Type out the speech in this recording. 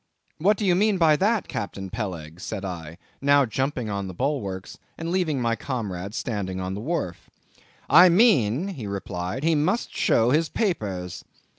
"What do you mean by that, Captain Peleg?" said I, now jumping on the bulwarks, and leaving my comrade standing on the wharf. "I mean," he replied, "he must show his papers."